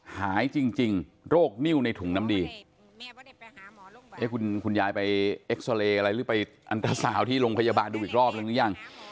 หายจริงโรคนิ้วในถุงน้ำดีคุณยายไปเอ็กซาเรย์อะไรหรือไปอันตราสาวที่โรงพยาบาลดูอีกรอบนึงหรือยัง